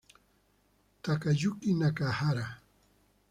Takayuki Nakahara